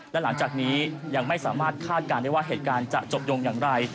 และหลังจากนี้ยังไม่สามารถคาดการณ์ได้ว่าเหตุการณ์จะจบยงอย่างไร